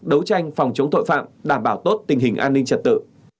đấu tranh phòng chống tội phạm đảm bảo tốt tình hình an ninh trật tự